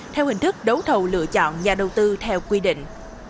theo hình thức đấu thầu lựa chọn nhà đầu tư theo quy định